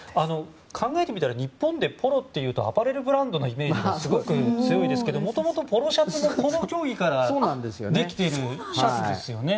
考えてみたら日本でポロっていうとアパレルブランドのイメージがすごく強いですけどもともとポロシャツもこの競技からできているシャツですよね。